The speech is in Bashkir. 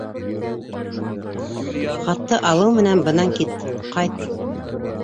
Хатты алыу менән бынан кит. Ҡайт.